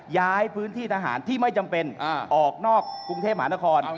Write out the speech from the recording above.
ย้ายพื้นที่ทหารที่ไม่จำเป็นออกนอกกรุงเทพมหานคร